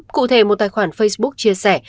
cụ thể một tài khoản facebook chia sẻ